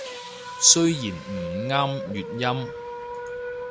雖然唔啱粵音